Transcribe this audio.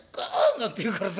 なんて言うからさ